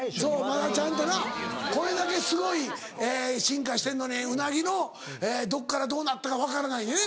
まだちゃんとなこれだけすごい進化してんのにウナギのどっからどうなったか分からないねんね